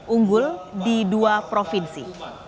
unggul di dua provinsi